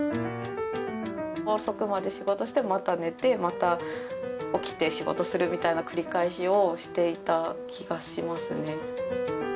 遅くまで仕事してまた寝てまた起きて仕事するみたいな繰り返しをしていた気がしますね。